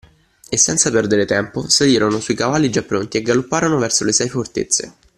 E, senza perdere tempo, salirono sui cavalli già pronti e galopparono verso le sei fortezze.